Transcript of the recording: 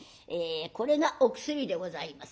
これがお薬でございます。